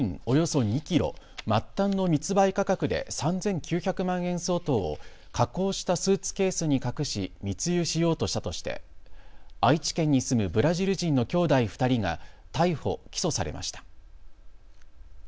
およそ２キロ、末端の密売価格で３９００万円相当を加工したスーツケースに隠し密輸しようとしたとして愛知県に住むブラジル人の兄弟２人が逮捕・起訴されました。